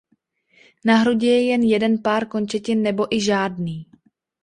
Na hrudi je jen jeden pár končetin nebo i žádný.